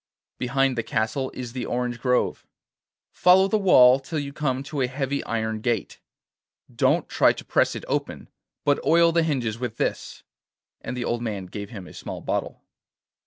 Behind the castle is the orange grove. Follow the wall till you come to a heavy iron gate. Don't try to press it open, but oil the hinges with this,' and the old man gave him a small bottle.